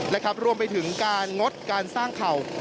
นะครับรวมไปถึงการงดการสร้างเข่า